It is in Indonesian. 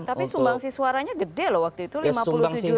tapi sumbangsi suaranya gede loh waktu itu lima puluh tujuh ribu kan pada saat itu